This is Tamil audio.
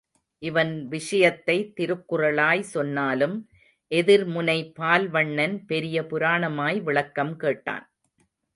இவன் விஷயத்தை திருக்குறளாய் சொன்னாலும், எதிர்முனை பால்வண்ணன் பெரிய புராணமாய் விளக்கம் கேட்டான்.